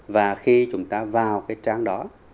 và khi chúng ta vào cái trang đó